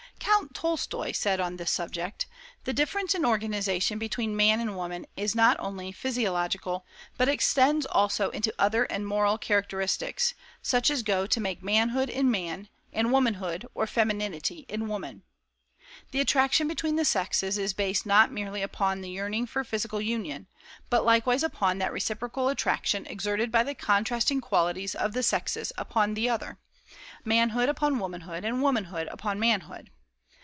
Count Tolstoi said on this subject: "The difference in organization between man and woman is not only physiological but extends also into other and moral characteristics, such as go to make manhood in man, and womanhood (or femininity) in woman. The attraction between the sexes is based not merely upon the yearning for physical union, but likewise upon that reciprocal attraction exerted by the contrasting qualities of the sexes each upon the other, manhood upon womanhood, and womanhood upon manhood.